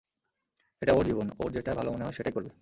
এটা ওর জীবন, ওর যেটা ভালো মনে হয় সেটাই করবে।